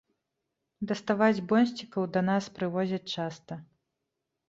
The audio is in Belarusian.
Даставаць бонсцікаў да нас прывозяць часта.